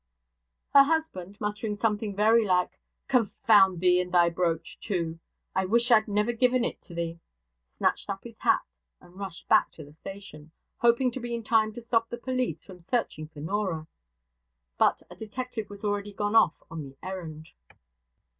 Her husband, muttering something very like 'Confound thee and thy brooch too! I wish I'd never given it thee,' snatched up his hat, and rushed back to the station, hoping to be in time to stop the police from searching for Norah. But a detective was already gone off on the errand.